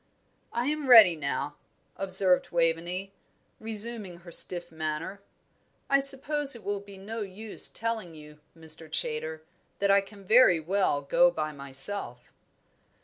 "I am ready now," observed Waveney, resuming her stiff manner. "I suppose it will be no use telling you, Mr. Chaytor, that I can very well go by myself."